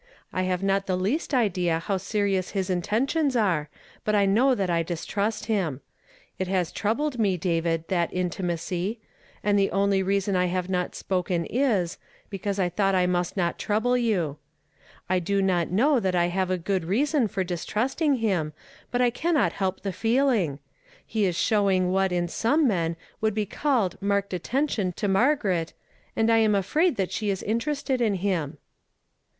I have not the least idea how serious his intentions are, but 1 know that 1 distrust him. It has trou 78 YESTERDAY FRAMED IN TO DAY. bled me, David, that intimacy; and the only reason I have not spoken is, because I thought 1 must not trouble you. 1 do not know that I have good reason for distrusting him, but I cannot help the feeling. He is showing what in some men would be called marked attention to Maigaret, and I am afraid that she is interested in him."